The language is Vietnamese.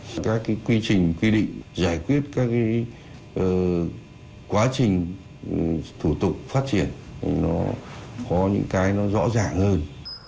các cái quy trình quy định giải quyết các cái quá trình thủ tục phát triển nó có những cái nó rõ ràng hơn